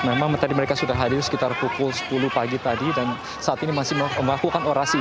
memang tadi mereka sudah hadir sekitar pukul sepuluh pagi tadi dan saat ini masih melakukan orasi